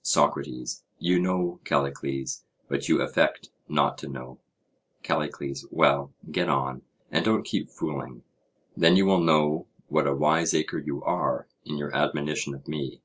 SOCRATES: You know, Callicles, but you affect not to know. CALLICLES: Well, get on, and don't keep fooling: then you will know what a wiseacre you are in your admonition of me.